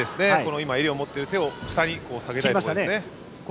今、襟を持っている手を下に下げたいです。